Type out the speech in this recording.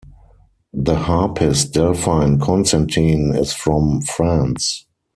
The harpist Delphine Constantin is from France.